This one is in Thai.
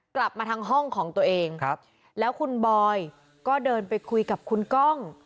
กลับมาทางห้องของตัวเองครับแล้วคุณบอยก็เดินไปคุยกับคุณกล้อง